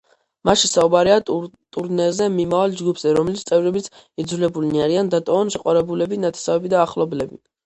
მასში საუბარია ტურნეზე მიმავალ ჯგუფზე, რომლის წევრებიც იძულებულნი არიან, დატოვონ შეყვარებულები, ნათესავები და ახლობლები.